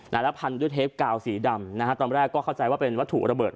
แล้วพันด้วยเทปกาวสีดำนะฮะตอนแรกก็เข้าใจว่าเป็นวัตถุระเบิด